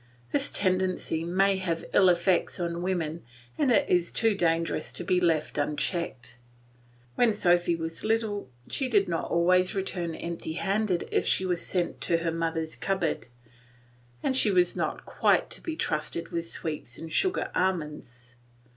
This tendency may have ill effects on women and it is too dangerous to be left unchecked. When Sophy was little, she did not always return empty handed if she was sent to her mother's cupboard, and she was not quite to be trusted with sweets and sugar almonds.